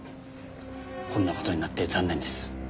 こんな事になって残念です。